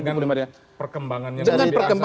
dengan perkembangannya lebih asal